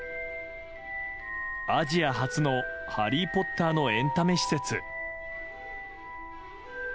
アジア初の「ハリー・ポッター」のエンタメ施設。